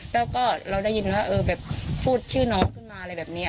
แล้วก็เราได้ยินว่าเออแบบพูดชื่อน้องขึ้นมาอะไรแบบนี้